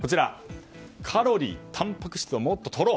カロリー、たんぱく質をもっととろう。